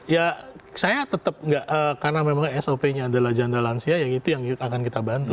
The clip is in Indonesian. ya saya tetap karena memang sop nya adalah janda lansia yang itu yang akan kita bantu